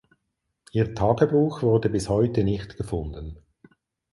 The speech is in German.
Ihr Tagebuch wurde bis heute nicht gefunden.